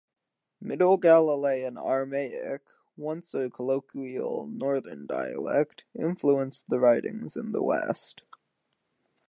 Middle Galilean Aramaic, once a colloquial northern dialect, influenced the writings in the west.